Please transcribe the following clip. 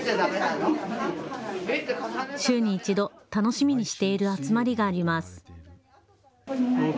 週に１度、楽しみにしている集まりがあります。